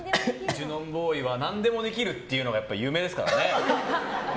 ジュノンボーイは何でもできるっていうのがやっぱり有名ですからね。